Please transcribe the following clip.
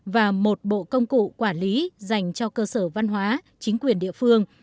và một bộ công cụ quản lý dành cho cơ sở văn hóa chính quyền địa phương